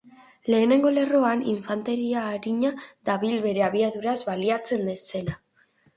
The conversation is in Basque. Lehenengo lerroan, infanteria arina dabil bere abiaduraz baliatzen zena.